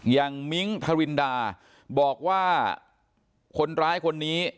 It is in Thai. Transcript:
มิ้งทรินดาบอกว่าคนร้ายคนนี้